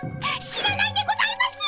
知らないでございます！